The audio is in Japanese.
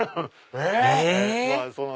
え！